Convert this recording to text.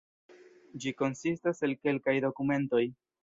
Ĝi konsistas el kelkaj dokumentoj.